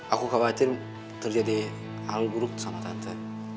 aku khawatir terjadi hal buruk sama tante